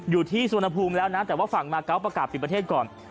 อยู่ที่สุวรรณภูมิแล้วนะแต่ว่าฝั่งมาเกาะประกาศปิดประเทศก่อน